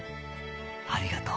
ありがとう。